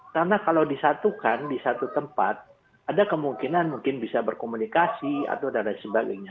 karena kalau disatukan di satu tempat ada kemungkinan mungkin bisa berkomunikasi atau dsb